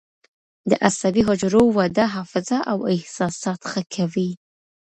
د عصبي حجرو وده حافظه او احساسات ښه کوي.